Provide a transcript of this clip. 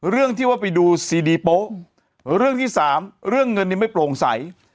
เรื่องที่ว่าไปดูซีดีโป๊ะเรื่องที่สามเรื่องเงินนี้ไม่โปร่งใส